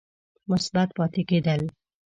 مثبت پاتې کېد ل